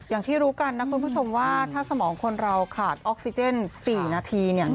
อย่างที่รู้กันนะคุณผู้ชมว่าถ้าสมองคนเราขาดออกซิเจน๔นาทีเนี่ย